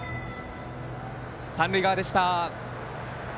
三塁側でした。